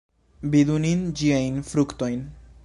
Vidu ni ĝiajn fruktojn!